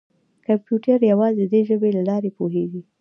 کمپیوټر یوازې د دې ژبې له لارې پوهېږي.